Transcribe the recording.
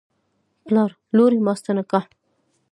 پلار: لورې ماستا نکاح